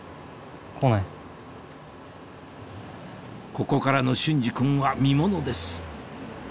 ここからの隼司君は見ものです